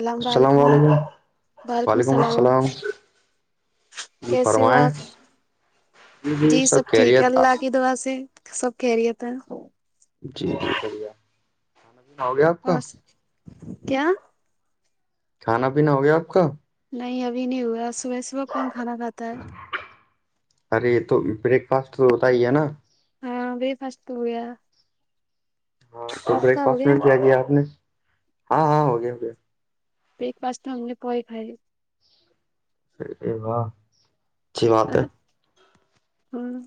اللام السلام وعلیکم وعلیکم السلام ج کیسے ہو فوائیں آپ جی سب ٹھیک ہے اللہ کی دعا سے سب کہہ رہیے تھا جی شکریہ ہو گیا اور کیا کھانا پینا ہو گیا آپ کا نہیں ابھی نہیں ہوا صبح صبح کون کھانا کھاتا ہے ارے تو بریک فاسٹ تو ہوتا ہی ہے نا ہاں فاسٹ ہویا ہاں تو بریک ہو فاسٹ میں گیا کیا کیایا آپ نے ہاں ہاں ہوگیا ہو گیا ایک پاس تو ہم نے پ خھائی ص و ہوں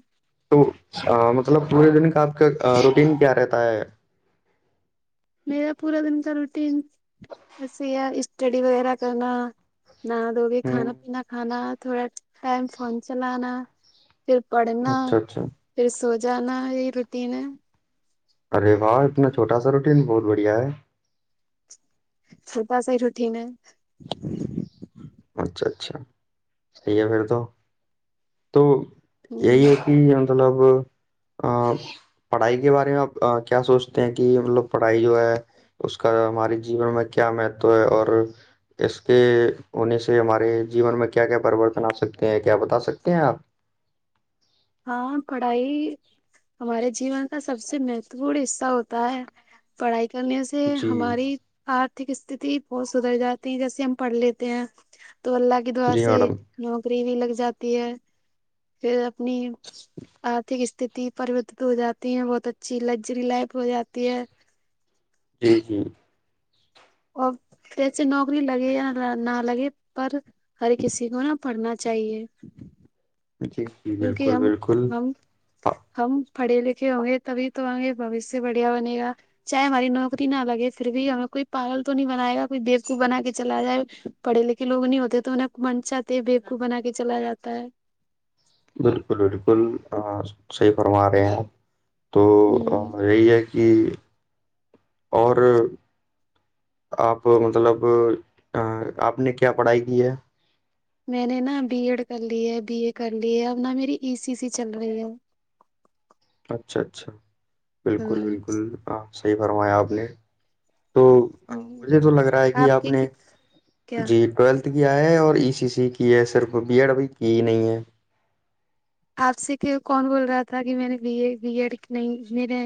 تو مطلب پورے دن کا آپ کا روٹین کیا رہتا ہے میرا پورا دن کا روٹین ویسے ہی اسٹڈی وغیرہ کرنا نہا دھو ہ لیےکھانا پینا کھانا تھوڑا ٹائم فون چلانا پھر پڑھنا اچھا اچھا پھر سو جانا یہی روٹین ہے ارے واہ اتنا چھوٹا سا روٹین بہت بڑھیا ہے چھوٹا سا ہی روٹین ہے اچھا اچھا صحی ہے پھر تو تو یہی ہ ہے کہ مطلب اپ پڑھائی کے بارے میں آپ کیا سوچتے ہیں کہ مطلب پڑھائی جو ہے اس کا ہمارے جیون میں کیا مہتو ہے اور اس کے ہونے سے ہمارے جیون میں کیا کیا پریورتن آ سکتے ہیں کیا بتا سکتے ہیں آپ ہاں پڑھائی ہمارے جیون کا سب سے مہتو پورن حصہ ہوتا ہے پڑھائی کرنے سے سے جی ہماری آرتھک استھتی بہت سدھر جاتی ہے جیسے ہم پڑھ لیتے ہیں تو اللہ کے دعا جی سے میڈم نوکری بھی لگ جاتی ہے پھر اپنی آرتھک استھتی پرریورتت ہو جاتی ہیں بہت اچھی لگژری لائف ہو جاتی ہے جی جی اور ویسے نوکری لگے یا نہ لگے پر ہر کسی کو نا پڑھنا چاہیے جی جی کیونکہ بالکل ہم بالکل ہم آ، ہم پڑھے لکھے ہوں گے تبھی تو آگے بھویشیہ بڑھیا بنے گا چاہے ہماری نوکری نہ لگے پھر بھی ہمیں کوئی پاگل تو نہیں بنائے گا کوئی بیوقوف بنا کے چلا جائے پڑھے لکھے لوگ نہیں ہوتے تو انھیں من چاہتے بیوقوف بنا کے چلا جاتا ہے بالکل بالکل صحی فرما رہے ہیں تو ہ یہی ہے کہ کہ اور آپ مطلب آپ نے کیا پڑھائی کی ہے میں نے نا بی ایڈ کر لی ہے بی اے کر لی ہے اب نہ میری ای سی سی چل رہی ہے اچھا اچھا بالکل ہ بالکل ہاں صحی فرمایا آپ نے تو ہاں مجھے تو لگ رہا ہے کہ آپ کی نے کیا جی ٹولتھ کیا ہے اور ای سی سی کی ہے صرف بی ایڈ ابھی کی ہی نہیں ہے آپ سے کہ کون بول رہا تھا کہ میں نے بی اے بی ایڈ نہیں میرے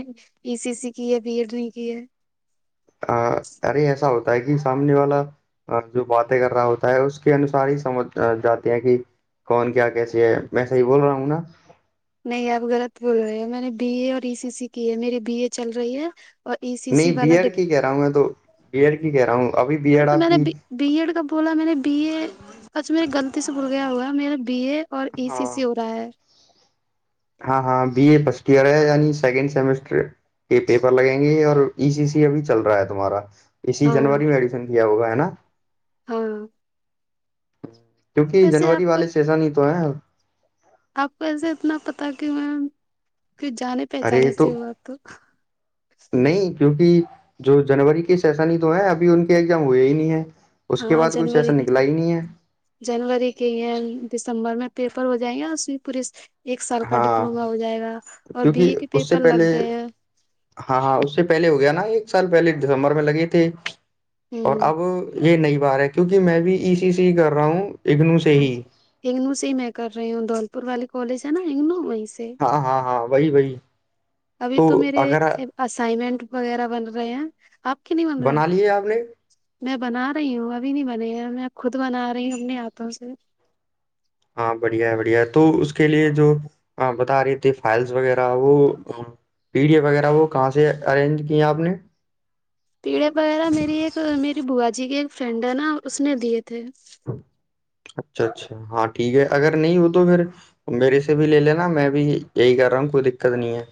ای سی سی کی ہے بی ایڈ نہیں کی ہے ا ارے ایسا ہوتا ہے کہ سامنے والا جو باتیں کر رہا ہوتا ہے اس کے انوسار ہی سمجھ جاتی ہیں کہ کون کیا کیسی ہے میں صحی بول رہا ہوں نا نہیں آپ غلط بول رہے ہو میں نے بی اے اور ای سی سی کی ہے میری بی اے چل رہی ہے اور ای سی سی نہیں بی والا ڈ ایڈ کی کہہ رہا ہوں میں تو بی ایڈ کی کہہ رہا ہوں ابھی بی ارے ایڈ تو آپ میں نے کی بی ایڈ کا بولا میں نے بی اے اچھا میرے غلطی سے بول گیا ہوا میرے بی اے اور ای سی ہاں سی ہو رہا ہے ہاں ہاں بی اے فرسٹ ایئر ہے یعنی سیکنڈ سیمسٹر یہ پیپر لگیں گے اور ای سی سی اب چل رہا ہے تمہارا اسی ہاں جنوری میں ایڈمیںشن کیا ہوگا ہے نا ہاں کیونکہ ویسے جنوری آپ کو والے سیزن ہی تو ہے آپ کو ایسے اتنا پتا کہ میں پھر جانے پہچان سے وہ تو نہیں کیونکہ جو جنوری کے سیشن ہی تو ہیں ابھی ان کے ایگزام ہوئے ہی نہیں ہے اس کے ہاں بعد کچھ ایسا جنوری کے نکلا ہی نہیں ہے جنوری کے ہے دسمبر میں پیپر ہو جائیں گے اس میں پوری ایک سال کا ہاں ڈپلوما ہو جائے گا اور بی اے کیونکہ کے اس سے پیپر لگ پہلے گئے ہیں ہاں ہاں اس سے پہلے ہو گیا نا ایک سال پہلے دسمبر میں لگے تھے ہیں اور اب یہ نہیں بار ہے کیوںکہ میں بھی ایی سی کر رہا ہوں اگنو سے ہ ہی ہگنو سے ہی میں کر رہی ہوں دھول پور والی کالج ہے نا ہگنو وہیں سے ہاں ہاں ہاں وہی بی ابھی تو میرے اسائنمنٹ وغیرہ بن رہے ہیں آپ کی نہیں بن رہے بنا لیے آپ نے میں بنا رہی ہوں ابھی نہیں بنے ہیں میں خود بنا رہی ہوں اپنے ہاتھوں سے ہاں بڑھیا ہے بڑھیا تو اس کے لیے جو بتا رہی تھھی فائلس وغیرہ وہ پی ڈی ای وغیرہ وہ کہاں سے ارینج کی ہیں آپ نے پیڑے وغیرہ میری ایک میری بوا جی کی ایک فرینڈ ہے نا اس نے دیے تھے اچھا اچھا ہاں ٹھیک ہے اگر نہیں ہو تو پھر میے سے بھی لے لینا میں بھی یہی کر رہا ہوں کوئی دقت نہیں ہے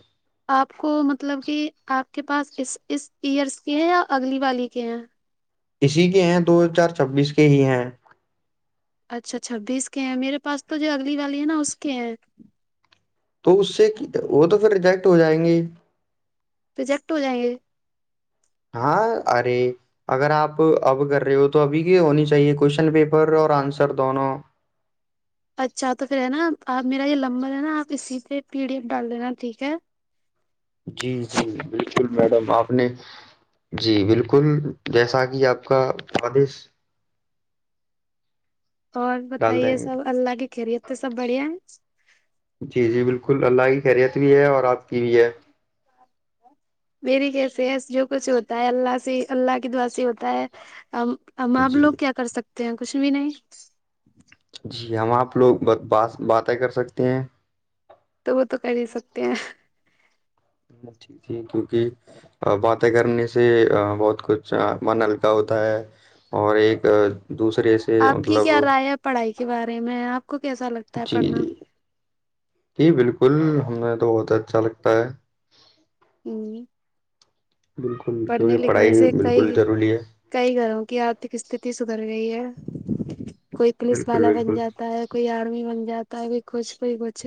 آپ کو مطلب کہ آپ کے پاس اس اس ایئرس کے ہیں یا اگلی والی کے ہیں اسی کے ہیں دو ہزار چھبیس کے ہی ہیں اچھا چھبیس کے ہیں میرے پاس تو جو اگلی والی ہے نا اس کے ہیں تو اس سے وہ تو پھر ریجیکٹ ہو جائیں گے تووجیکٹ ہو جائیں گے ہاں ارے اگر آپ اب کر رہے ہو تو ابھی کی ہونی چاہیے کوشن پیپر اور آنسر دونوں اچھا تو پھر ہے نا آپ میرا یہ لمبر ہے نا آپ اسی پہ پی ڈی ایف ڈال دینا ٹھیک ہے جی جی بالکل میڈم آپ نے جی بالکل جیسا کہ آپ کا خادش اور ڈال دیں بتائیے گے سب اللہ کی خیریت تو سب بڑھیا ہے جی جی بالکل اللہ کی خیریت بھی ہے اور آپ کی بھی ہے ہ مری کیس ہے جو کچھ ہوتا ہے اللہ سےی اللہ کی دعاسی ہوتا ہے ا آپ جی لوگ کیا کر سکتے ہیں کچھ بھی نہیں جی ہم آپ لوگ ب بات باتیں کر سکتے ہیں تو وہ تو کر ہی سکتے ہیں ہ ٹھیک ج کیونکہ باتیں کرنے سے بہت کچھ من ہلکا ہوتا ہے اور ایک دوسرے سے آپ کی مطلب کیا رائے ہے پڑھائی کے بارے میں آپ کو کیسا لگتا ہے جی جی پڑھنا جی بالکل ہمیں تو بہت اچھا لگتا ہے ہوں بالکل کیونکہ پڑھائی سے بالکل کئی ضروری ہے کئی گھروں کی آرتھک استھتی سدھر گئی ہے کوئی پلیس بالکل والا بن بالکل جاتا ہے کوئی آرمی بن جاتا ہے کوئی کچھ کوئی کچھ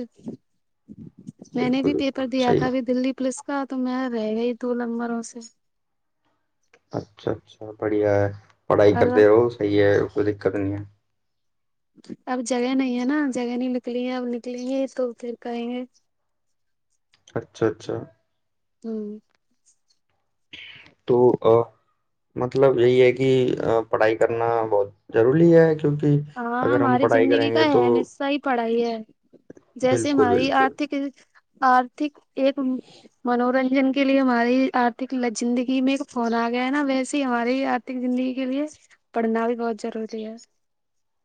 میں نے بالکل بھی پیپر بالکل دیا تھا صحیح ابھی دللی پولیس کا تو میں رہ گئی ہی دو لمبروں سے اچھا اچھا بڑھیا ہے پڑھائی اور کرتے رہو صحیح ہے کوئی دقت نہیں ہے اب جگہ نہیں ہے نا جگہ نہیں نکلی ہے اب نکلیں گے تو پھر کہیں گے اچھا اچھا ہوں تو ا مطلب یہی ہے کہ پڑھائی کرنا بہت ضروری ہے کیونکہ ہاں اگر ہم ہماری پڑھائی زندگی کریں کا گے تو ہے نصص ہی پڑھائی ہے جیسے بالکل ہماری بالکل آرھک آرھک ایک منورنجن کے لیے ہماری آرتک زندگی میں ایک فون آ گیا ہے نا ویس ہی ہماری آرتھک زندگی کے لیے پڑھنا بھی بہت روری ہے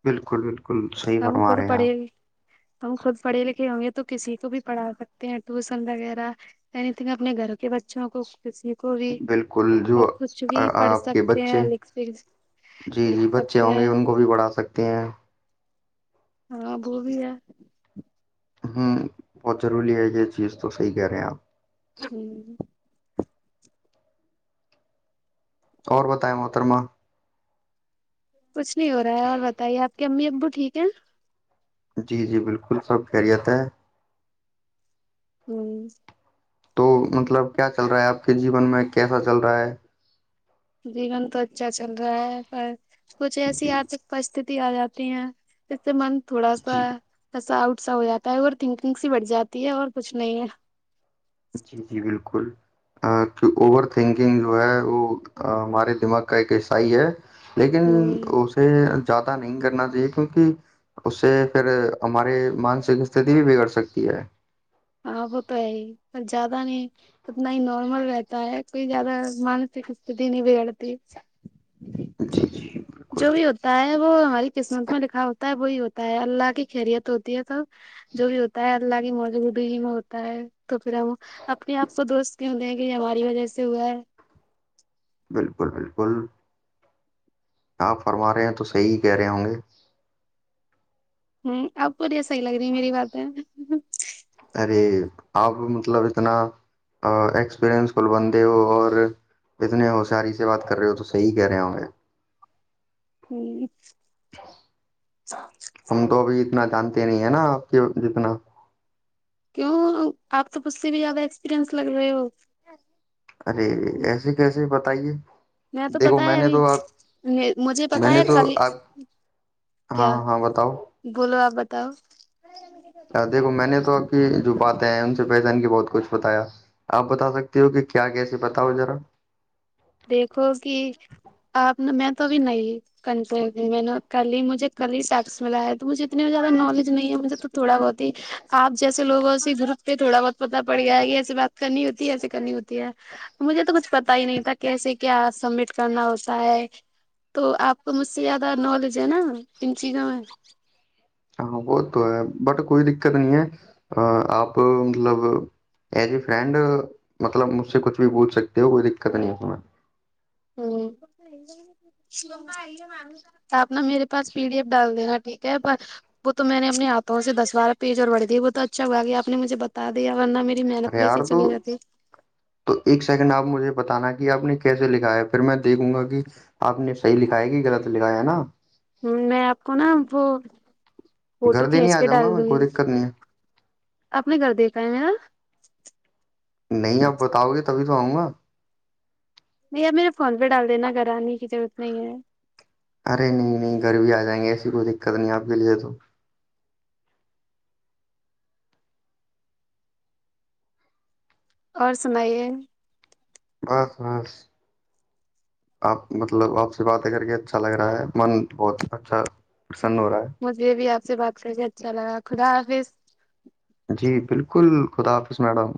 بالکل بالکل صحیح ہم فرما خود رہے ہیں آپ پڑھے ہم خود پڑھے لکھے ہوں گے تو کسی کو بھی پڑھا سکتے ہیں ٹیوسن وغیرہ اینی تھنگ اپنے گھروں کے بچوں کو کسی کو بھی بالکل اور جو کچھ بھی آ- پڑھ آپ کے سکتے ہیں بچے جی جی لکھ بچے سکتے ہوں گے ہیں ان کو بھی پڑھا سکتے ہیں ہاں وہو بھی ہے ہوں بہت ضروری ہے یہ چیز تو صحیح کہہ رہے ہیں آپ ہوں اور بتائے محترما کچھ نہیں ہو رہا ہے اور بتائیے آپ کے امی ابو ٹھیک ہیں جی جی بالکل سبت خریت ہے ہوں تو مطلب کیا چل رہا ہے آپ کے جیون میں کیسا چل رہا ہے جیون تو اچھا چل رہا ہے پر کچھ ایسی جی آرھک پرستتتی آ جاتی ہیں اس سے من تھوڑا سا جی ایسا اٹ سا ہو جاتا ہے اور تھنکنگس ہی بٹھ جاتی ہے اور کچھ نہیں ہے جی جی بالکل کی اوور تھنکنگ جو ہے وہ ہمارے دماغ کا ایک عیسائی ہے لیکن ہ اسے زیادہ نہیں کرنا چاہیے کیونکہ اس سے پھر ہماری مانسک استتی بھی بگڑ سکتی ہے ہاں وہ تو ہے ہی پر زیادہ نہیں اتنا ہی نارمل رہتا ہے کوئی زیادہ مانسک استتی نہیں بگڑتی جی جی جی بالکل ہوتا ہے وہ ہماری قسمت میں لکھا ہوتا ہے وہی ہوتا ہے اللہ کی خریت ہوتی ہے سب جو بھی ہوتا ہے اللہگی موج ہو د ہی میں ہوتا ہے تو پھر ہم اپنے آپ کو دوست کیوں د ہیں کہ یہ ہماری وجہ سے ہوا ہے بالکل بالکل آپ فرما رہے ہیں تو صحیح کہہ رہے ہوں گے ہوں آب بڑیا صحی لگ رہی میری بات ہے ارے آپ مطلب اتنا ایکسپیرنس کل بندے ہو اور اتنے ہوشیاری سے بات کر رہے ہو تو صحیح کہہ رہے ہوں گے ہی [unintelligible] تم تو ابھی اتنا جانتے نہیں ہے نا آپ کے جتنا کیوں آپ تو مجھ سے بھی زیادہ ایکسپیریئنس لگ رہے ہو ارے ایسے کیسے بتائیے تو دیکھو پتا میں ہے نے تو آپ ابھی مجھے میں پتا ہے نے تو کل آپ ہاں کیا ہاں بتاؤ [unintelligible] بولو آپ بتاؤ دیکھو میں نے تو آپ کی جو پات ہیں ان سے پہچان کے بہت کچھ بتایا آپ بتا سکتے ہو کہ کیا کیسیے بتاؤ ذرا دیکھو کہ آپ نے میں تو بھی نہیں کنٹ میں نے کل ہی مجھے کل ہی ٹیکس ملا ہے تو مجھے اتنے زیادہ نالج نہیں ہے مجھے تو تھوڑا بہت آپ جیسے [unintelligible] ایسےووں سے دھرپ پہ تھوڑا بہت پتا پڑ گیا ہے کہ ایسسی بات کرنی ہوتی ہے ایسے کرنی ہوتی ہے مجھے تو کچھ پتا ہی نہیں تھا کیسے کیا سبمٹ کرنا ہوتا ہے تو آپ کو مجھ سے زیادہ نالج ہے نا پنچیگا میں ہاں وہ تو ہے بٹ کوئی دقت نہیں ہے آپ مطلب ایز اے فرینڈ مطلب مجھ سے کچھ بھی بول سکتے ہو کوئی دقت نہیں ہے سنا ہوں آپ ن میرے پاس پی ڈی ایف ڈال دینا ٹھیک ہے پر وہ تو میں نے اپنے ہاتھوں سے دس بارہ پی اور بڑ دی وہ تو اچھایا آپ نے مھے ب تا د یا ورہ میری محنت ارے وسسی یار تو چلی جاتی تو ایک سیکنڈ آپ مجھے بتانا کہ آپ نے کیسے لکھا ہے پھر میں دیکھوں گا کہ آپ نے صحیح لکھایا کہ لط لکھایا ہے نا ہ میں آپ کو نا وہ فوٹو گھر دینے کھینچ آ کے جاؤں ڈال گا میں دوں گی کوئی دقت نہیں اپنے گھر دیکھا ہے میں نا نہیں آپ بتاؤ گے تبھی تو آؤں گا نہیں ب میرے فون پہ ڈال دینا گھر آنے کی ضرورت نہیں ہے ارے نہیں نہیں گھر بھی آ جائیں گے ایسی کوئی دقت نہیں آپ کے لیے تو اور سنائیے بس بس آپ مطلب آپ سے باتیں کر کے اچھا لگ رہا ہے من بہت اچھا سنورا ہے [unintelligible] مجھے یہ بھی آپ سے بات کر کے اچھا لگا خدا حافظ جی بالکل خدا حافظ میڈم